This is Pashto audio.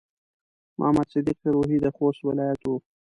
محمد صديق روهي د خوست ولايت و.